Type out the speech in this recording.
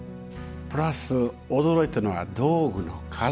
プラス驚いたのは道具の数。